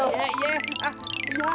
sudah pergi ya